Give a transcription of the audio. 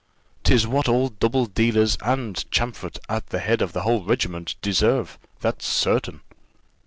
"Tis what all double dealers, and Champfort at the head of the whole regiment, deserve that's certain."